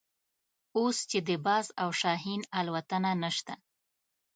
اوس چې د باز او شاهین الوتنه نشته.